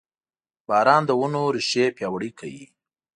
• باران د ونو ریښې پیاوړې کوي.